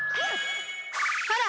ほら！